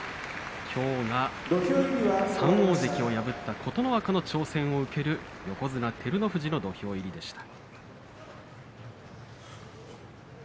きょうは３大関を破った琴ノ若の挑戦を受ける横綱照ノ富士の土俵入りでした。